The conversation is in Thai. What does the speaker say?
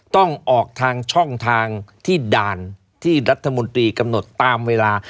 ต้องออกทางช่องทางที่ด่านที่รัฐมนตรีกำหนดตามเวลา